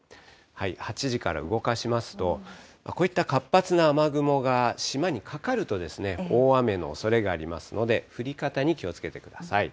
８時から動かしますと、こういった活発な雨雲が島にかかるとですね、大雨のおそれがありますので、降り方に気をつけてください。